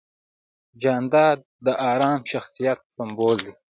جانداد د ارام شخصیت سمبول دی.